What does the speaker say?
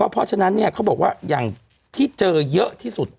เพราะฉะนั้นเขาบอกว่าอย่างที่เจอเยอะที่สุด